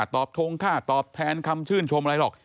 ทงค่าตอบแทนคำชื่นชมอะไรหรอก